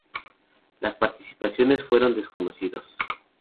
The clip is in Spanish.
Los participantes fueron desconocidos.